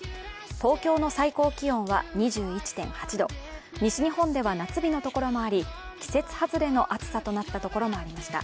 東京の最高気温は２１．８度、西日本では夏日の所もあり、季節外れの暑さとなった所もありました。